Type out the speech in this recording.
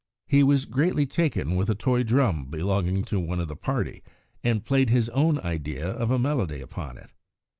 He was greatly taken with a toy drum belonging to one of the party, and played his own idea of a melody upon it.